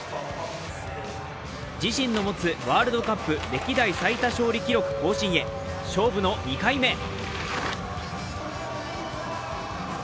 自身の持つワールドカップ歴代最多勝利記録更新へ、勝負の２回目。